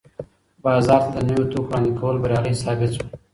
بازار ته د نویو توکو وړاندې کول بریالي ثابت سول.